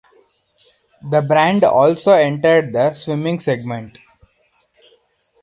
The brand also entered the swimming segment.